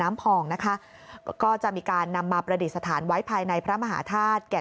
พองนะคะก็จะมีการนำมาประดิษฐานไว้ภายในพระมหาธาตุแก่